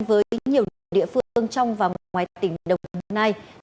với nhiều địa phương trong và ngoài tỉnh đồng hồ này